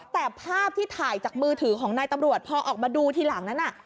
แต่ภาพที่ถ่ายจากมือถือของนายตำรวจพอออกมาดูทีหลังนั้น